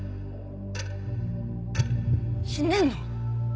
死んでんの？